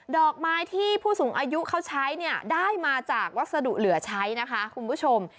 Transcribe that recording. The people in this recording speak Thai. ดอกไม้ที่ผู้สูงอายุเขาใช้เนี่ยได้มาจากวัสดุเหลือใช้นะคะคุณผู้ชม